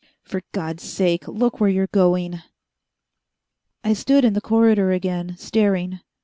"For God's sake, look where you're going...." I stood in the corridor again, staring.